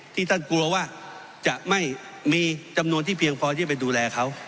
ที่ท่านกลัวว่าจะไม่มีจำนวนที่เพียงพอที่จะไปดูแลเขา